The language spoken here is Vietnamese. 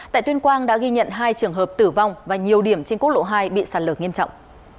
tại tuyên quang đã ghi nhận hai trường hợp tử vong và nhiều điểm trên quốc lộ hai bị sạt lở nghiêm trọng